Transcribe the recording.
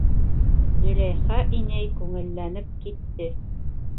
Зөләйха инәй күңелләнеп китте: